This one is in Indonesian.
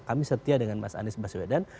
kami setia dengan mas anies baswedan